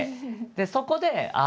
でそこであ